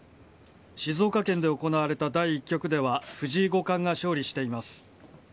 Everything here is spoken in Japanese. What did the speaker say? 静岡県で行われた第１局では藤井五冠が勝利しています。